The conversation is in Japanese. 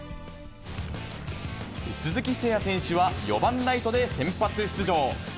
鈴木誠也選手は４番ライトで先発出場。